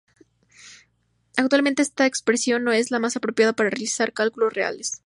Actualmente esta expresión no es la más apropiada para realizar cálculos reales.